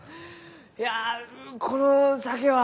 いやうこの酒は。